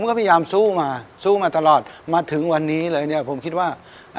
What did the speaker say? ก็พยายามสู้มาสู้มาตลอดมาถึงวันนี้เลยเนี่ยผมคิดว่า